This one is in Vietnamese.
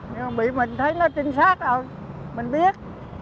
nhưng mà bị mình thấy nó trinh sát ậ mình biết